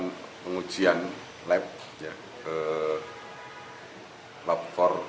kita lakukan pengujian lab lab empat